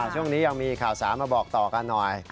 ช่วงนี้ยังมีข่าวสารมาบอกต่อกันหน่อย